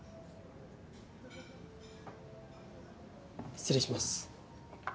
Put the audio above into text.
失礼します。